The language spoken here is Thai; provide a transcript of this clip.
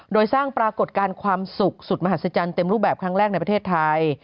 โดยสร้างปรากฏการณ์ความสุขสุดมหัศจรรย์เต็มรูปแบบครั้งแรกในประเทศไทย